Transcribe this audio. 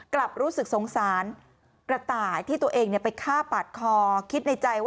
กลับรู้สึกสงสารกระต่ายที่ตัวเองไปฆ่าปาดคอคิดในใจว่า